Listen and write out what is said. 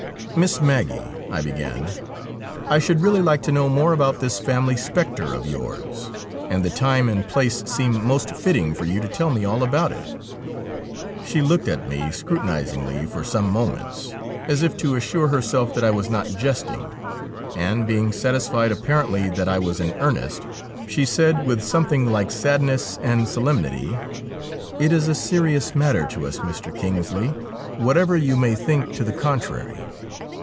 ' Miss Maggie,' I began, ' I should really like to know more about this family spectre of yours. And the time and place seem most fitting for you to tell me all about it.' She looked at me scrutinisingly for some moments as if to assure herself that I was not jesting, and, being satisfied ap parently that I was in earnest, she said with something like sadness and solemnity :' It is a serious matter to us, Mr. Kingsley, whatever you 48 STORIES WEIRD AND WONDERFUL may think to the contrary.